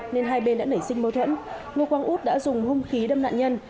nên hai bên đã nảy sinh mâu thuẫn ngô quang út đã dùng hung khí đâm nạn nhân